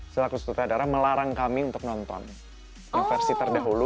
setelah kustutara melarang kami untuk nonton yang versi terdahulu